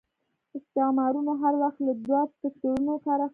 استعمارونه هر وخت له دوه فکټورنو کار اخلي.